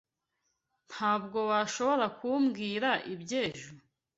Ntabwo washobora kumbwira iby'ejo?